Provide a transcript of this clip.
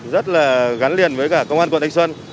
rất là gắn liền với cả công an quận thanh xuân